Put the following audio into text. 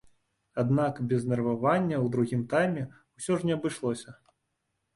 Аднак без нервавання ў другім тайме ўсё ж не абышлося.